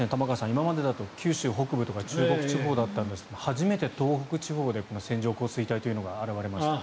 今までだと九州北部とか中国地方だったんですが初めて東北地方で線状降水帯というのが現れました。